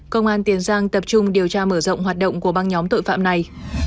công an tiền giang tập trung điều tra mở rộng hoạt động của băng nhóm tội phạm này